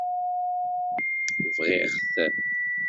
Bɣiɣ-t.